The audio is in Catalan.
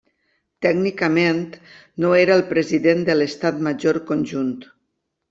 Tècnicament no era el President de l'Estat Major Conjunt.